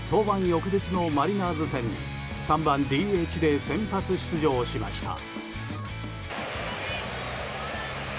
翌日のマリナーズ戦に３番ＤＨで先発出場しました。